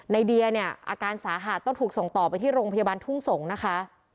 เดียเนี่ยอาการสาหัสต้องถูกส่งต่อไปที่โรงพยาบาลทุ่งสงศ์นะคะ